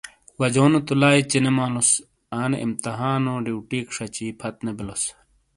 وجونو تو لائی چینیمالوس۔ آنے امتحانو ڈیوٹئیک شچی پھت نے بیلوس ۔